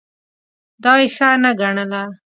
دا یې ښه نه ګڼله.